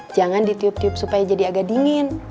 jangan ditiup tiup supaya jadi agak dingin